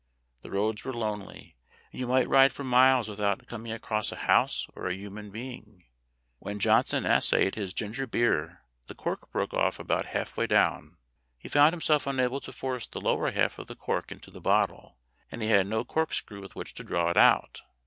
The roads were lonely, and you might ride for miles without coming across a house or a human being. When Johnson essayed his ginger beer the cork broke off about half way down. He found himself unable to force the lower half of the cork into the bottle, and he had no cork screw with which to draw it out.